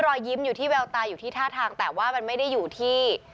รอยยิ้มท่าทางแต่ว่ามันไม่ได้อยู่ที่